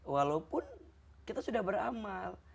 walaupun kita sudah beramal